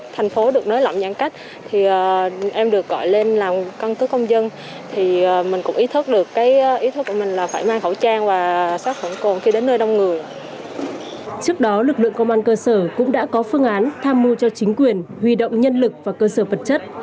trước đó lực lượng công an cơ sở cũng đã có phương án tham mưu cho chính quyền huy động nhân lực và cơ sở vật chất